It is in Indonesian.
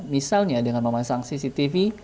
misalnya dengan memasang cctv